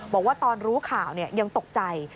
บอกว่าตอนรู้ข่าวยังตกใจ